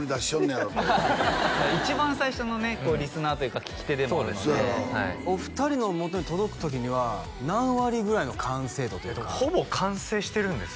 やろって一番最初のねリスナーというか聴き手でもあるのでお二人のもとに届く時には何割ぐらいの完成度というかほぼ完成してるんですよね